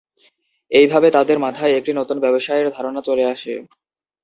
এইভাবে তাদের মাথায় একটি নতুন ব্যবসায়ের ধারণা চলে আসে।